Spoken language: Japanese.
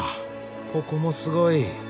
ここもすごい。